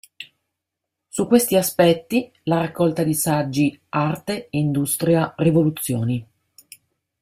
Su questi aspetti, la raccolta di saggi "Arte, industria, rivoluzioni.